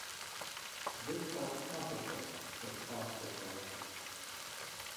This helped compensate for the cost differential.